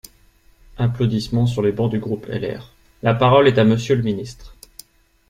(Applaudissements sur les bancs du groupe LR.) La parole est à Monsieur le ministre.